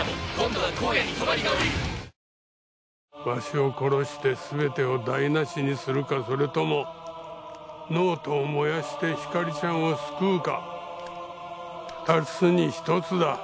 わしを殺してすべてを台なしにするかそれともノートを燃やしてひかりちゃんを救うか二つに一つだ。